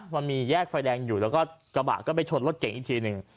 มันมีแยกไฟแดงอยู่แล้วก็กระบะก็ไปชนรถเก่งอีกทีหนึ่ง